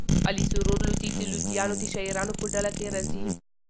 علي سرور لودي د لودیانو د شاعرانو په ډله کښي راځي.